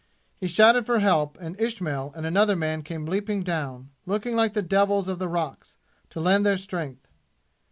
He shouted for help, and Ismail and another man came leaping down, looking like the devils of the rocks, to lend their strength.